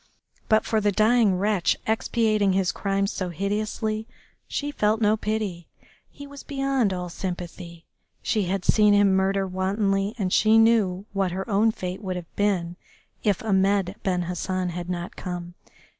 But for the dying wretch expiating his crimes so hideously she felt no pity, he was beyond all sympathy. She had seen him murder wantonly, and she knew what her own fate would have been if Ahmed Ben Hassan had not come.